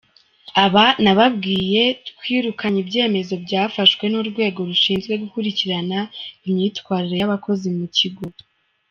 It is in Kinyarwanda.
Aba nababwiye twirukanye, ibyemezo byafashwe n’urwego rushinzwe gukurikirana imyitwarire y’abakozi mu kigo.